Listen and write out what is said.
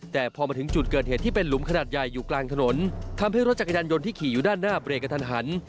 แต่พอมาถึงจุดเกิดเหตุที่เป็นหลุมขนาดใหญ่อยู่กลางถนนทำให้รถจักรยานยนต์ที่ขี่อยู่ด้านหน้าเบรกกระทันหัน